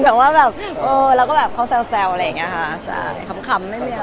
เพราะว่าแบบโอ้แล้วก็แบบเค้าแซวเหละอย่างเงี้ยค่ะคำไม่มีอะไร